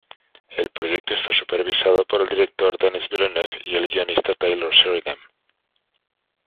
El proyecto está supervisado por el director Denis Villeneuve y el guionista Taylor Sheridan.